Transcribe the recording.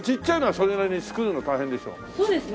そうですね。